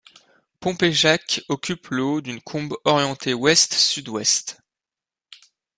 Pompejac occupe le haut d’une combe orientée Ouest-Sud-Ouest.